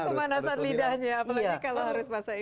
pemanasan lidahnya apalagi kalau harus bahasa inggris